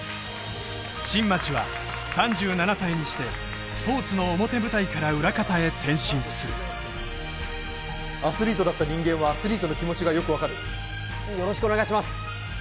新町は３７歳にして転身するアスリートだった人間はアスリートの気持ちがよく分かるよろしくお願いします